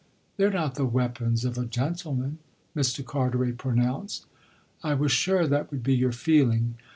They're not the weapons of a gentleman," Mr. Carteret pronounced. "I was sure that would be your feeling.